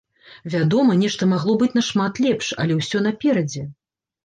Вядома, нешта магло быць нашмат лепш, але ўсё наперадзе!